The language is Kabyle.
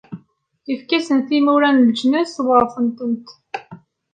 Ifka-asen timura n leǧnas, weṛten-tent.